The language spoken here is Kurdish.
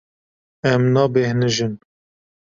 Em nabêhnijin.